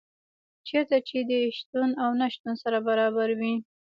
چېرته چي دي شتون او نه شتون سره برابر وي